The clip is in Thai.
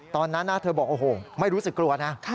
ตอนนั้นเธอบอกโอ้โหไม่รู้สึกกลัวนะ